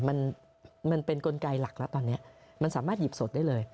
มันมันเป็นกลไกหลักแล้วตอนนี้มันสามารถหยิบสดได้เลย